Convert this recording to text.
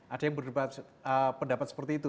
ada yang berpendapat seperti itu